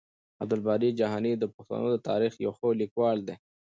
عبدالباري جهاني د پښتنو د تاريخ يو ښه ليکوال دی.